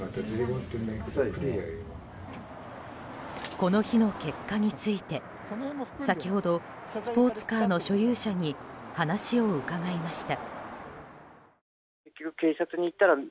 この日の結果について先ほど、スポーツカーの所有者に話を伺いました。